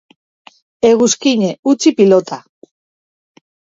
Eguzkiñe, utzi pilota.